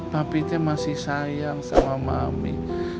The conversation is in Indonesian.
papi teh masih sayang sama mami